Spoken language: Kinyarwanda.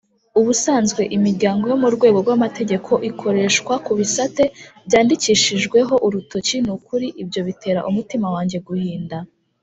Ubusanzwe imiryango yo mu rwego rw amategeko ikoreshwa Ku bisate byandikishijweho urutoki Ni ukuri ibyo bitera umutima wanjye guhinda